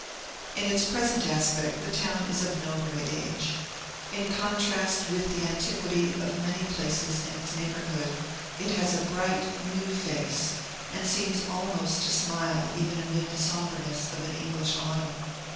In its present aspect the town is of no great age. In contrast with the antiquity of many places in its neighborhood, it has a bright, new face, and seems almost to smile even amid the sombreness of an English autumn.